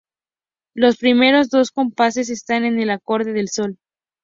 Los primeros dos compases están en el acorde de Sol.